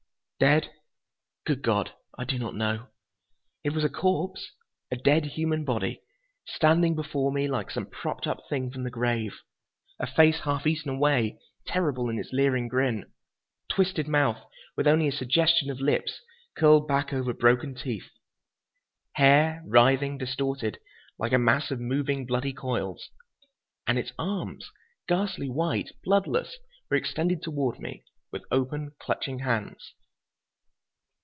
Dead? Good God, I do not know. It was a corpse, a dead human body, standing before me like some propped up thing from the grave. A face half eaten away, terrible in its leering grin. Twisted mouth, with only a suggestion of lips, curled back over broken teeth. Hair—writhing, distorted—like a mass of moving, bloody coils. And its arms, ghastly white, bloodless, were extended toward me, with open, clutching hands.